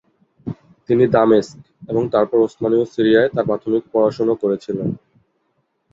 তিনি দামেস্ক এবং তারপর ওসমানীয় সিরিয়ায় তাঁর প্রাথমিক পড়াশুনো করেছিলেন।।